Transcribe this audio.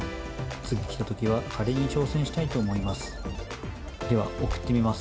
次来た時はカレーに挑戦したいと思います。